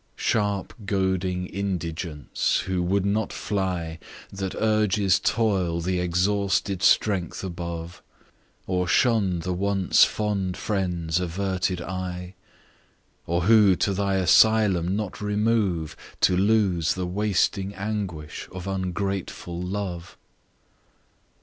Sharp goading Indigence who would not fly, That urges toil the exhausted strength above? Or shun the once fond friend's averted eye? Or who to thy asylum not remove, To lose the wasting anguish of ungrateful love?